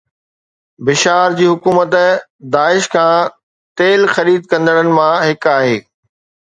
بشار جي حڪومت داعش کان تيل خريد ڪندڙن مان هڪ آهي